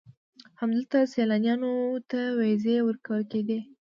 همدلته سیلانیانو ته ویزې ورکول کېدې.